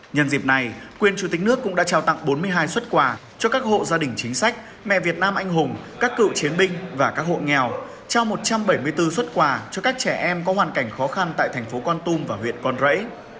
nhân dịp này quyền chủ tịch nước cũng đã trao tặng bốn mươi hai xuất quà cho các hộ gia đình chính sách mẹ việt nam anh hùng các cựu chiến binh và các hộ nghèo trao một trăm bảy mươi bốn xuất quà cho các trẻ em có hoàn cảnh khó khăn tại thành phố con tum và huyện con rẫy